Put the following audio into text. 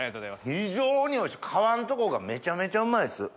非常においしい皮んとこがめちゃめちゃうまいです。